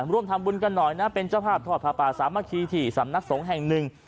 ร่วมทำบุญกันหน่อยนะเป็นเจ้าภาพทอดผ้าป่าสามัคคีที่สำนักสงฆ์แห่งหนึ่ง